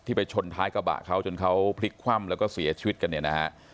ไปชนท้ายกระบะเขาจนเขาพลิกคว่ำแล้วก็เสียชีวิตกันเนี่ยนะฮะ